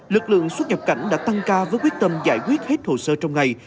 lực lượng xuất nhập cảnh đã tăng ca với quyết tâm giải quyết hết hồ sơ trong ngày